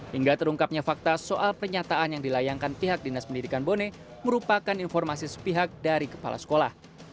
hingga terungkapnya fakta soal pernyataan yang dilayangkan pihak dinas pendidikan bone merupakan informasi sepihak dari kepala sekolah